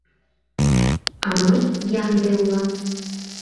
А мый ямде улам...